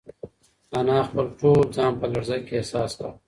انا خپل ټول ځان په لړزه کې احساس کړ.